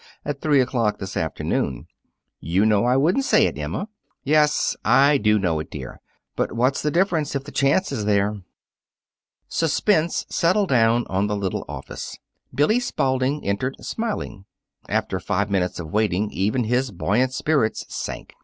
at three o'clock this afternoon." "You know I wouldn't say it, Emma." "Yes; I do know it, dear. But what's the difference, if the chance is there?" Suspense settled down on the little office. Billy Spalding entered, smiling. After five minutes of waiting, even his buoyant spirits sank.